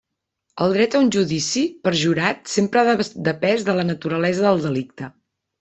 El dret a un judici per jurat sempre ha depès de la naturalesa del delicte.